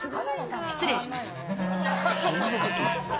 失礼します。